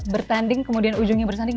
bertanding kemudian ujungnya bersanding